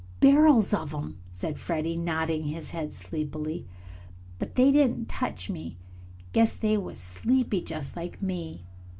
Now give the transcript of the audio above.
"Barrels of them," said Freddie, nodding his head sleepily. "But they didn't touch me. Guess they was sleepy, just like me."